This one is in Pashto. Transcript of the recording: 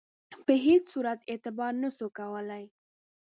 په هیڅ صورت اعتبار نه سو کولای.